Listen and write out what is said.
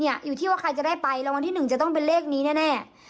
อยู่ที่ว่าใครจะได้ไปรางวัลที่๑จะต้องเป็นเลขนี้แน่